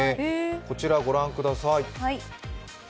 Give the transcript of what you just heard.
こちらご覧ください。